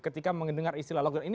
ketika mendengar istilah lockdown